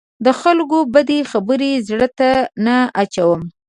د خلکو بدې خبرې زړه ته نه اچوم.